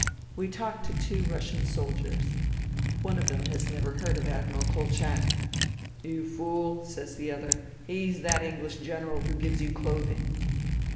We talk to two Russian soldiers. One of them has never heard of Admiral Kolchak. " You fool," says the other, "he's that English General who gives you clothing."